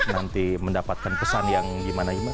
nanti mendapatkan pesan yang gimana imam